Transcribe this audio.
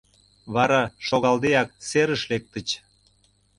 Вара, шогалдеак, серыш лектыч.